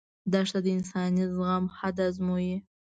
دښته د انساني زغم حد ازمويي.